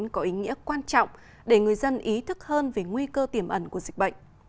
có ý nghĩa quan trọng để người dân ý thức hơn về nguy cơ tiềm ẩn của dịch bệnh